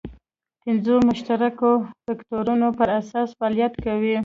پنځو مشترکو فکټورونو پر اساس فعالیت کوي.